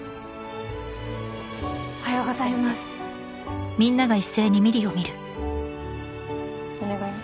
おはようございますお願いね